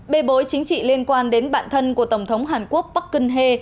bê bối chính trị liên quan đến bạn thân của tổng thống hàn quốc park geun hye